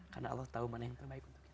karena allah tahu mana yang terbaik untuk kita